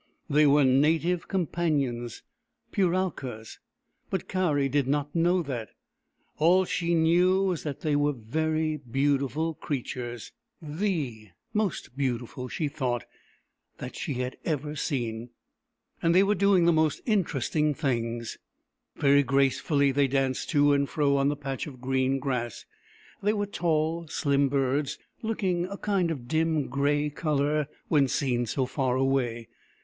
They were Native Companions — Puralkas — but Kari did not know that. All she knew was that they were very beautiful creatures, the most beautiful, she thought, that she had ever seen : and they were doing the most interesting things. Very gracefully they danced to and fro on the patch of green grass. They were tall, slim birds, looking a kind of dim grey colour when seen so far away.